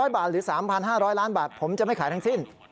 ๐บาทหรือ๓๕๐๐ล้านบาทผมจะไม่ขายทั้งสิ้น